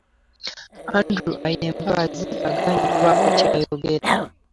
Andrew Ainembabazi, agaanye okubaako ky'ayogera.